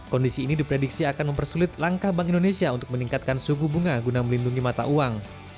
kondisi ini diprediksi akan mempersulit langkah bank indonesia untuk meningkatkan suku bunga guna melindungi mata uang